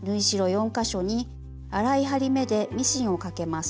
４か所に粗い針目でミシンをかけます。